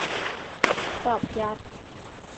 จับยัด